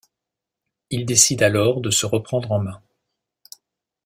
Il décide alors de se reprendre en main.